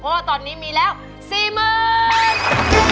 เพราะว่าตอนนี้มีแล้ว๔๐๐๐บาท